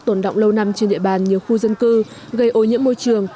tồn động lâu năm trên địa bàn nhiều khu dân cư gây ô nhiễm môi trường